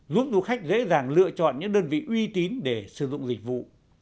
giúp du khách dễ dàng lựa chọn những đơn vị uy tín để sử dụng dịch vụ